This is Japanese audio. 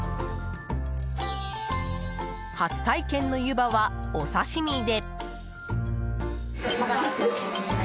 初体験の湯葉は、お刺し身で。